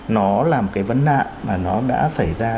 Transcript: nó là một cái vấn nạn mà nó đã xảy ra